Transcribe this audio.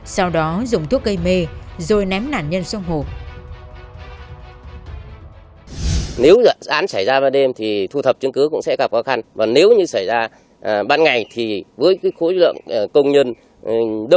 sau đó dùng thuốc gây mê rồi ném nạn nhân xuống hồ